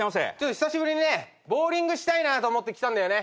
久しぶりにボウリングしたいなと思って来たんだよね。